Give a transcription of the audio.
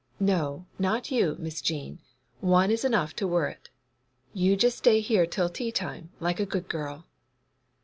No, not you, Miss Jean; one is enough to worrit; you just stay here till tea time, like a good girl.